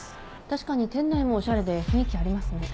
確かに店内もおしゃれで雰囲気ありますね。